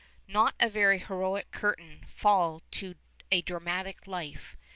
Not a very heroic curtain fall to a dramatic life.